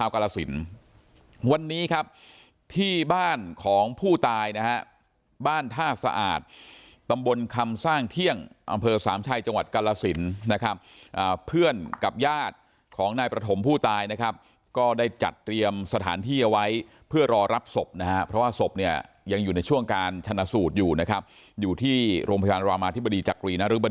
กรสินวันนี้ครับที่บ้านของผู้ตายนะฮะบ้านท่าสะอาดตำบลคำสร้างเที่ยงอำเภอสามชัยจังหวัดกาลสินนะครับเพื่อนกับญาติของนายประถมผู้ตายนะครับก็ได้จัดเตรียมสถานที่เอาไว้เพื่อรอรับศพนะฮะเพราะว่าศพเนี่ยยังอยู่ในช่วงการชนะสูตรอยู่นะครับอยู่ที่โรงพยาบาลรามาธิบดีจักรีนรบ